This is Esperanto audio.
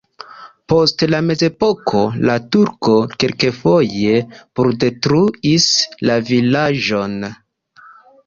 Post la mezepoko la turkoj kelkfoje bruldetruis la vilaĝon.